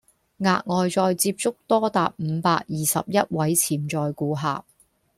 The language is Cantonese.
額外再接觸多達五百二十一位潛在顧客